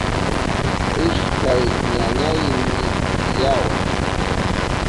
Ishkay ñañayni tiyawan.